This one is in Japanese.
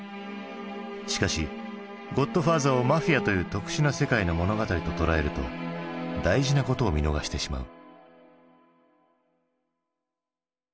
しかし「ゴッドファーザー」をマフィアという特殊な世界の物語と捉えると大事なことを見逃してしまう。